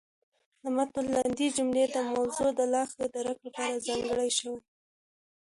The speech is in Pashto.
د مط الندې جملې د موضوع د لاښه درک لپاره ځانګړې شوې.